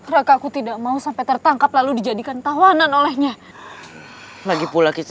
raka aku tidak mau sampai tertangkap lalu dijadikan tawanan olehnya lagi pula kica